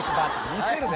見せるね。